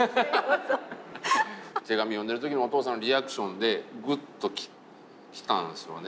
手紙読んでる時のお父さんのリアクションでグッときたんですよね。